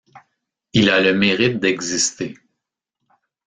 Il a le mérite d’exister.